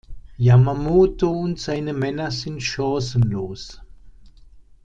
Yamamoto und seine Männer sind chancenlos.